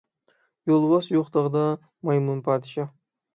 يولۋاس يوق تاغدا مايمۇن پادىشاھ.